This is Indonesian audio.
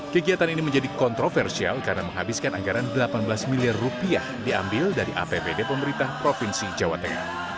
kegiatan ini menjadi kontroversial karena menghabiskan anggaran delapan belas miliar rupiah diambil dari apbd pemerintah provinsi jawa tengah